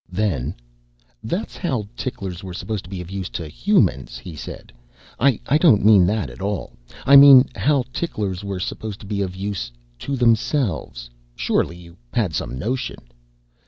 Then, "That's how ticklers were supposed to be of use to humans," he said. "I don't mean that at all. I mean how ticklers were supposed to be of use to themselves. Surely you had some notion."